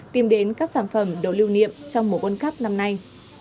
tìm đến các sản phẩm đồ lưu niệm trong mùa quân cấp năm nay